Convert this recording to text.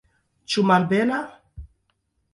Ĉu malbela?